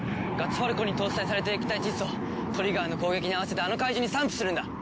ファルコンに搭載されている液体窒素をトリガーの攻撃に合わせてあの怪獣に散布するんだ！